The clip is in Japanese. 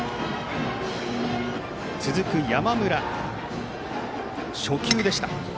続く山村は初球でした。